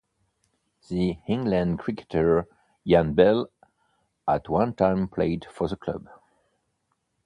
The England cricketer Ian Bell at one time played for the club.